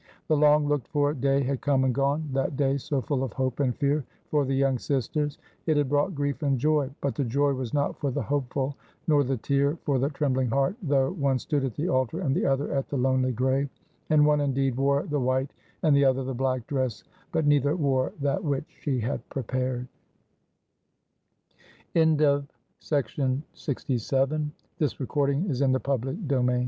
The long looked f or day had come and gone ; that day so full of hope and fear for the young sisters. It had brought grief and joy ; but the joy was not for the hopeful, nor the tear for the trembling heart, though one stood at the altar, and the other at the lonely grave; and one, indeed, wore the white and the other the black dress, but neither wore that which she had prep